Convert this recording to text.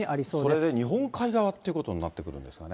それで日本海側っていうことになってくるんですね。